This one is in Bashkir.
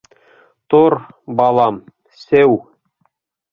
Тор, балам, сеү!